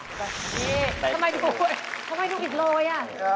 นี่ทำไมดูทำไมดูอีกโลเว้ย